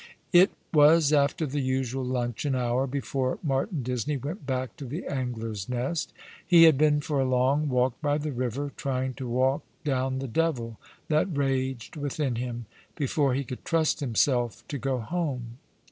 It was after the usual luncheon hour before Martin Disney went back to the Angler's Nest. He had been for a long walk by the river, trying to walk down the devil that raged within him, before he could trust himself to go home.